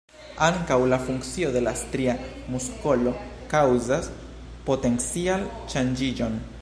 Ankaŭ la funkcio de la stria muskolo kaŭzas potencial-ŝanĝiĝon.